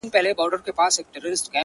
د دې خمارو ماښامونو نه به وځغلمه~